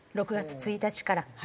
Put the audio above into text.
６月１日から。